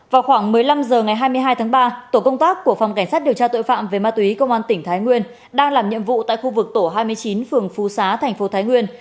vào khoảng một mươi năm h ngày hai mươi hai tháng ba tổ công tác của phòng cảnh sát điều tra tội phạm về ma túy công an tỉnh thái nguyên đang làm nhiệm vụ tại khu vực tổ hai mươi chín phường phú xá thành phố thái nguyên